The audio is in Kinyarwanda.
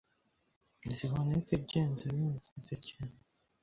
ziboneke byenze biumunsinze cyene